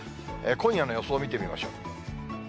今夜の予想を見てみましょう。